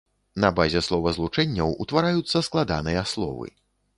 На базе словазлучэнняў утвараюцца складаныя словы.